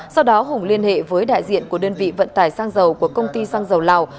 sau đó hùng liên hệ với đại diện của đơn vị vận tải sang dầu của công ty xăng dầu lào